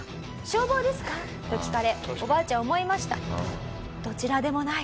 消防ですか？」と聞かれおばあちゃん思いました。